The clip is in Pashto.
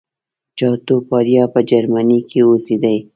چاټوپاړیا په جرمني کې اوسېدی.